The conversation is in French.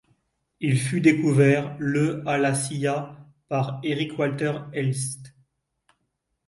Il fut découvert le à La Silla par Eric Walter Elst.